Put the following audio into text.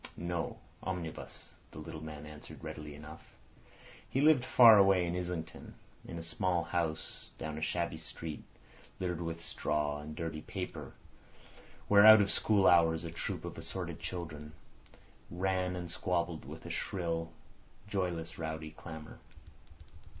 "No; omnibus," the little man answered readily enough. He lived far away in Islington, in a small house down a shabby street, littered with straw and dirty paper, where out of school hours a troop of assorted children ran and squabbled with a shrill, joyless, rowdy clamour.